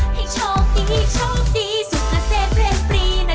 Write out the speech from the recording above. นี่ช่องดีช่องดีสูงเศษเร่งปรีนะ